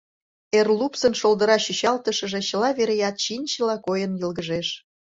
Эр лупсын шолдыра чӱчалтышыже чыла вереат чинчыла койын йылгыжеш.